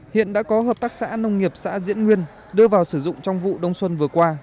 hiện đã có hợp tác xã nông nghiệp xã diễn nguyên đưa vào sử dụng trong vụ đông xuân vừa qua